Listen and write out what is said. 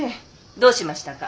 どうしましたか？